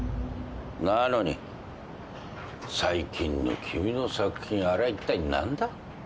なのに最近の君の作品あれはいったい何だ？